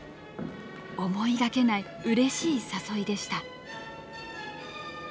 思いがけないうれしい誘いでした。